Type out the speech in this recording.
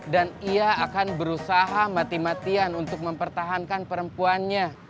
dan ia akan berusaha mati matian untuk mempertahankan perempuannya